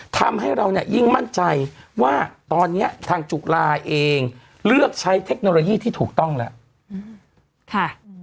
ทำให้เราเนี่ยยิ่งมั่นใจว่าตอนนี้ทางจุฬาเองเลือกใช้เทคโนโลยีที่ถูกต้องแล้ว